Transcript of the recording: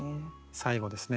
最後ですね